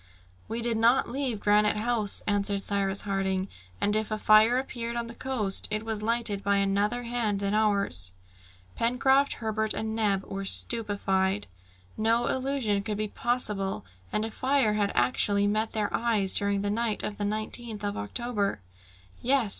"We did not leave Granite House," answered Cyrus Harding, "and if a fire appeared on the coast, it was lighted by another hand than ours!" Pencraft, Herbert, and Neb were stupefied. No illusion could be possible, and a fire had actually met their eyes during the night of the 19th of October. Yes!